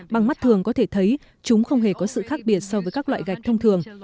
bằng mắt thường có thể thấy chúng không hề có sự khác biệt so với các loại gạch thông thường